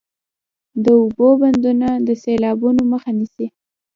د اوبو بندونه د سیلابونو مخه نیسي